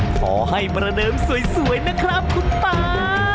ขอให้ประเดิมสวยนะครับคุณป๊า